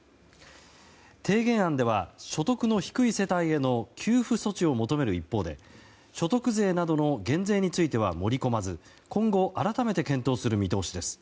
提言案では所得の低い世帯への給付措置を求める一方で所得税などの減税については盛り込まず今後改めて検討する見通しです。